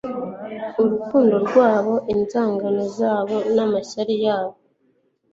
urukundo rwabo, inzangano zabo n'amashyari yabo